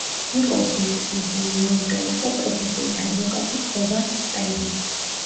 ნიკოლ სმითის მესამე მეუღლე იყო პროფესიით ადვოკატი ჰოვარდ სტერნი.